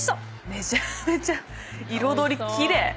めちゃめちゃ彩り奇麗。